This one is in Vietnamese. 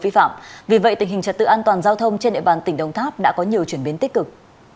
vi phạm vì vậy tình hình trật tự an toàn giao thông trên địa bàn tỉnh đồng tháp đã có nhiều chuyển biến tích cực